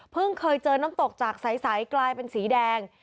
เคยเจอน้ำตกจากใสกลายเป็นสีแดง